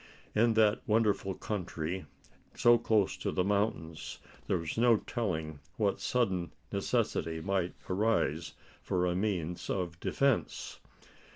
In that wonderful country so close to the mountains, there was no telling what sudden necessity might arise for a means of defense.